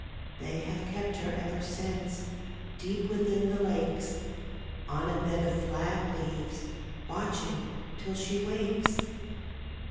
They have kept her ever since Deep within the lakes, On a bed of flag leaves, Watching till she wakes.